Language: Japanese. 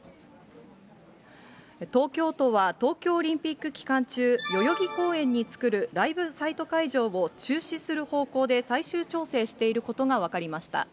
東京都は、東京オリンピック期間中、代々木公園に作るライブサイト会場を中止する方向で最終調整していることが分かりました。